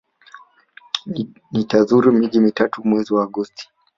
Nitazuru miji mitatu mwezi wa Agosti.